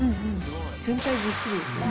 全体ぎっしりですね。